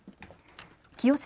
清瀬